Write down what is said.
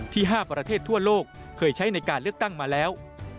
๕ประเทศทั่วโลกเคยใช้ในการเลือกตั้งมาแล้ว